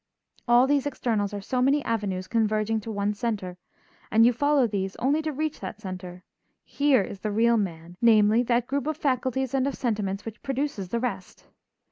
All these externals are so many avenues converging to one center, and you follow these only to reach that center; here is the real man, namely, that group of faculties and of sentiments which produces the rest.